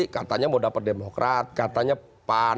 katanya mau dapat demokrat katanya pan